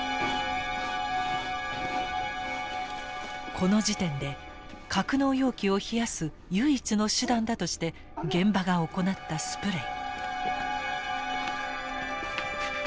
この時点で格納容器を冷やす唯一の手段だとして現場が行ったスプレイ。